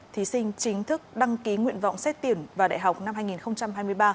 thí sinh chính thức đăng ký nguyện vọng xét tuyển vào đại học năm hai nghìn hai mươi ba